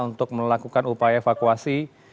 untuk melakukan upaya evakuasi